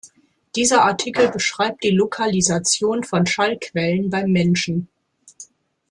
Dieser Artikel beschreibt die Lokalisation von Schallquellen beim Menschen.